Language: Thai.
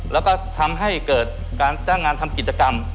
แล้วก็ทำให้เกิดการจ้างงานทำกิจกรรม